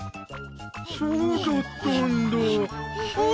そうだったんだぁ。